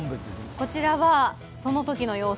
こちらはそのときの様子。